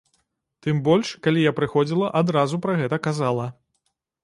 Тым больш, калі я прыходзіла, адразу пра гэта казала.